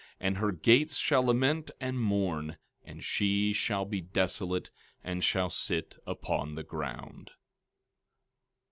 13:26 And her gates shall lament and mourn; and she shall be desolate, and shall sit upon the ground.